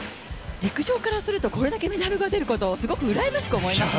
陸上からするとこれだけメダルが出ることをすごくうらやましく思いますね。